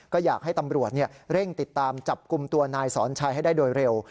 ก็อยากให้ตำรวจเร่งติดตามจับกลุ่มตัวนายสอนชัยให้ได้โดยเร็ว